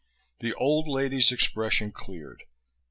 The old lady's expression cleared.